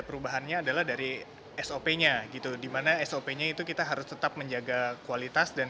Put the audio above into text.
perubahannya adalah dari sop nya gitu dimana sop nya itu kita harus tetap menjaga kualitas dan